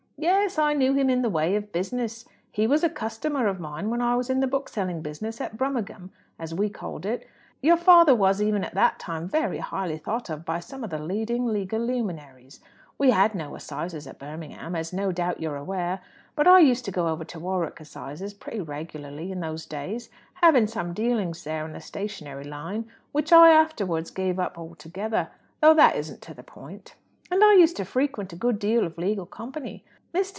"Yes; I knew him in the way of business. He was a customer of mine when I was in the bookselling business at Brummagem, as we called it. Your father was, even at that time, very highly thought of by some of the leading legal luminaries. We had no assizes at Birmingham, as no doubt you're aware; but I used to go over to Warwick Assizes pretty reg'larly in those days, having some dealings there in the stationery line which I afterwards gave up altogether, though that isn't to the point and I used to frequent a good deal of legal company. Mr.